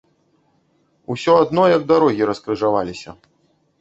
Усё адно як дарогі раскрыжаваліся!